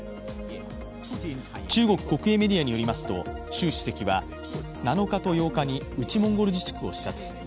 中国国営メディアによりますと習主席は７日と８日に内モンゴル自治区を視察。